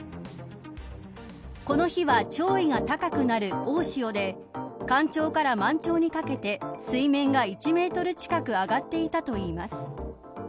この日は、潮位が高くなる大潮で干潮から満潮にかけて水面が１メートル近く上がっていたといいます。